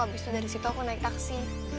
abis itu dari situ aku naik taksi